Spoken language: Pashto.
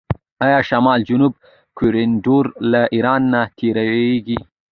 آیا شمال جنوب کوریډور له ایران نه تیریږي؟